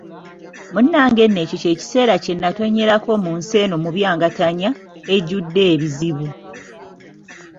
Munnange nno ekyo kye kiseera kye nnatonnyerako mu nsi eno mubyangatanya, ejjudde ebizibu.